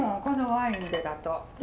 このワインでだと。